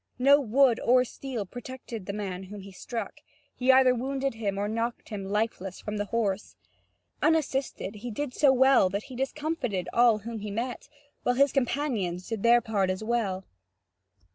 No wood or steel protected the man whom he struck; he either wounded him or knocked him lifeless from the horse. Unassisted, he did so well that he discomfited all whom he met, while his companions did their part as well.